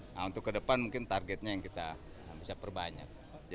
nah untuk ke depan mungkin targetnya yang kita bisa perbanyak